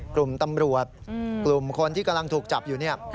กลุ่มตำรวจกลุ่มคนที่กำลังถูกจับอยู่เนี่ย